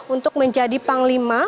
untuk menjadi panglima